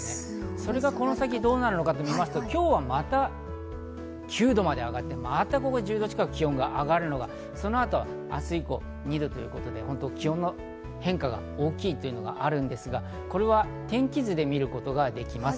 これがその先、どうなるか見ると今日はまた９度まで上がって、１０度近く気温が上がるのがそのあと明日以降２度ということで、気温の変化が大きい時があるんですが、これは天気図で見ることができます。